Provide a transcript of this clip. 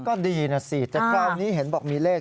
ก็ดีนะสิแต่คราวนี้เห็นบอกมีเลข